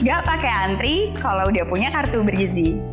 gak pakai antri kalau udah punya kartu bergizi